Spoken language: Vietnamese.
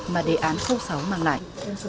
mà đề án sáu mang lại